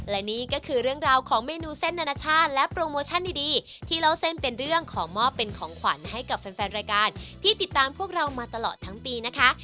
และนี่ก็คือเรื่องราวของเมนูเส้นนานาชาติและโปรโมชั่นดีที่เล่าเส้นเป็นเรื่องขอมอบเป็นของขวัญให้กับแฟนรายการที่ติดตามพวกเรามาตลอดทั้งปีนะคะ